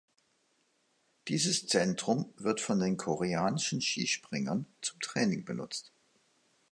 Dieses Zentrum wird von den Koreanischen Skispringern zum Training genutzt.